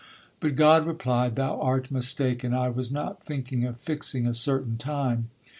But God replied: "Thou art mistaken, I was not thinking of fixing a certain time.